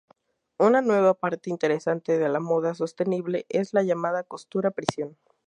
Una nueva parte interesante de la moda sostenible es la llamada costura prisión.